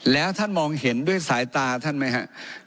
แล้วท่านมองเห็นด้วยสายตาท่านไหมครับ